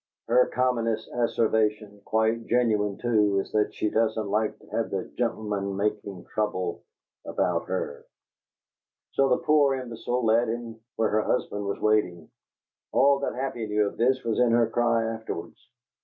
Her commonest asseveration quite genuine, too is that she doesn't like to have the gen'lemen making trouble about her! So the poor imbecile led him to where her husband was waiting. All that Happy knew of this was in her cry afterwards.